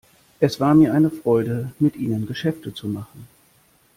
Es war mir eine Freude, mit Ihnen Geschäfte zu machen.